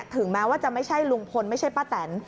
ถึงแม้ว่าจะไม่ใช่ลุงพลไม่ใช่ป้าแตน